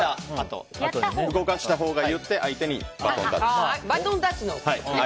動かしたほうが言って相手にバトンタッチ。